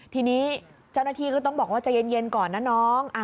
ทีนี้เจ้าหน้าที่ก็ต้องบอกว่าใจเย็นก่อนนะน้อง